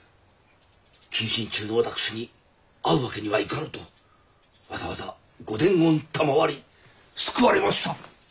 謹慎中の私に会うわけにはいかぬとわざわざご伝言賜り救われました。